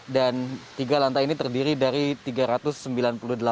dan tiga lantai ini terdiri dari tiga ratus sembilan puluh delapan kamar